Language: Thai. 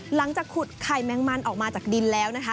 หลังจากขุดไข่แมงมันออกมาจากดินแล้วนะคะ